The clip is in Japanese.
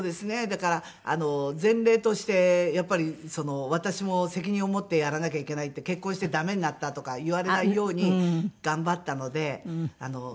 だから前例としてやっぱり私も責任を持ってやらなきゃいけないって「結婚してダメになった」とか言われないように頑張ったので。